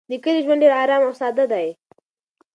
د کلي ژوند ډېر ارام او ساده دی.